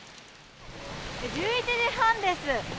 １１時半です。